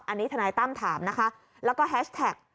อันนี้ทนายตั้มถามนะคะแล้วก็แฮชแท็ก